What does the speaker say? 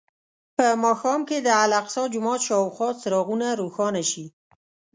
په ماښام کې د الاقصی جومات شاوخوا څراغونه روښانه شي.